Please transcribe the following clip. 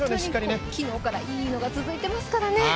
本当に昨日からいいのが続いていますからね。